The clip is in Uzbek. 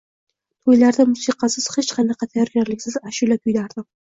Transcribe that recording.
To’ylarda musiqasiz, hech qanaqa tayyorgarliksiz ashula kuylardim.